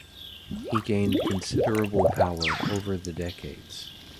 He gained considerable power over the decades.